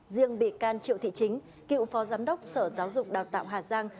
riêng bị can triệu thị chính cựu phó giám đốc sở giáo dục đào tạo hà giang